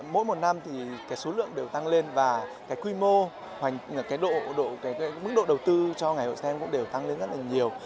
mỗi một năm thì số lượng đều tăng lên và quy mô mức độ đầu tư cho ngày hội stem cũng đều tăng lên rất là nhiều